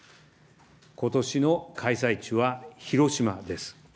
ことしの開催地は広島です。